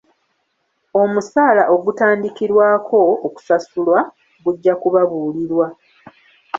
Omusaala ogutandikirwako, okusasulwa gujja kubabuulirwa.